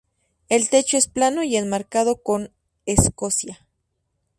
El techo es plano y enmarcado con escocia.